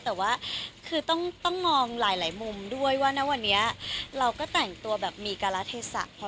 แต่ว่าคือต้องมองหลายมุมด้วยว่าณวันนี้เราก็แต่งตัวแบบมีการละเทศะ